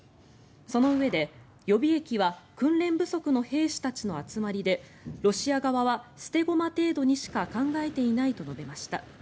そのうえで予備役は訓練不足の兵士たちの集まりでロシア側は捨て駒程度にしか考えていないと述べました。